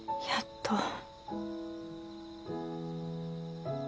やっと。